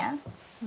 うん。